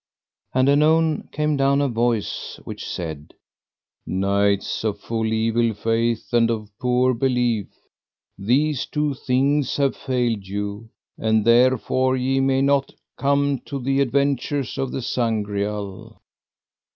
And anon came down a voice which said: Knights of full evil faith and of poor belief, these two things have failed you, and therefore ye may not come to the adventures of the Sangreal.